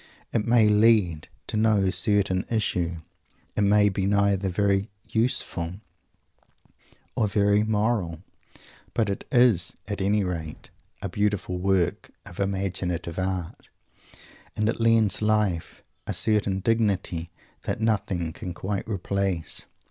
It may lead to no certain issue. It may be neither very "useful" or very "moral." But it is, at any rate, a beautiful work of imaginative art, and it lends life a certain dignity that nothing can quite replace.